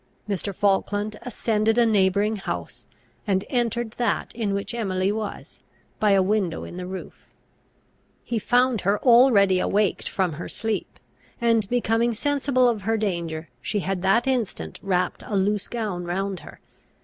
Mr. Falkland ascended a neighbouring house, and entered that in which Emily was, by a window in the roof. He found her already awaked from her sleep; and, becoming sensible of her danger, she had that instant wrapped a loose gown round her.